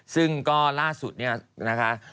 ซึ่งก็ล่าสุดเนี่ยนะคะ